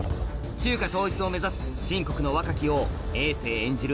中華統一を目指す秦国の若き王政演じる